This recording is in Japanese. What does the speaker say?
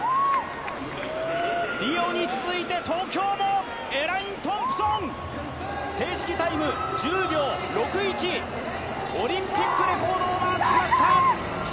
リオに続いて東京もエレイン・トンプソン、正式タイム１０秒６１、オリンピックレコードをマークしました。